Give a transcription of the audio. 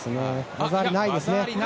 技ありなしですね。